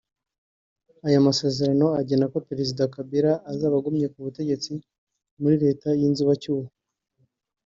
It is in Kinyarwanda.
Ayo masezerano agena ko Perezida Kabila azaba agumye ku butegetsi muri leta y’inzibacyuho